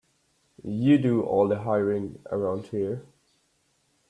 You do all the hiring around here.